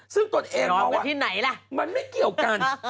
ซึ่งตนเอกบอกว่ามันไม่เกี่ยวกัน